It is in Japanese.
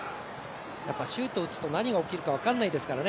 シュート打つと何が起きるか分からないですから。